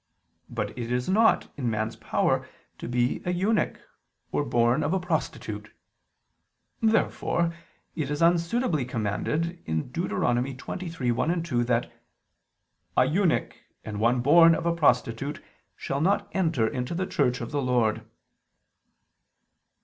But it is not in man's power to be an eunuch, or born of a prostitute. Therefore it is unsuitably commanded (Deut. 23:1, 2) that "an eunuch and one born of a prostitute shalt not enter into the church of the Lord."